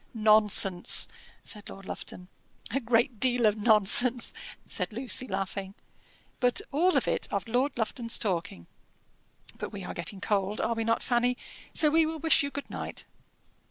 "Nonsense," said Lord Lufton. "A great deal of nonsense," said Lucy, laughing, "but all of it of Lord Lufton's talking. But we are getting cold are we not, Fanny? so we will wish you good night."